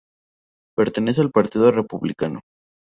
Pertenece al Partido Republicano.